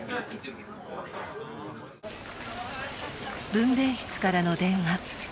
分娩室からの電話。